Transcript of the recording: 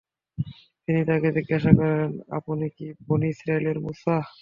তিনি তাকে জিজ্ঞাসা করেন, আপনি কি বনী ইসরাঈলের মূসা?